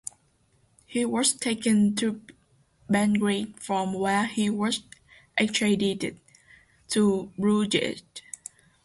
He was taken to Belgrade from where he was extradited to Bruges.